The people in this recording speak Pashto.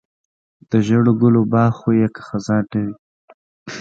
د ژړو ګلو باغ خو یې که خزان نه وي.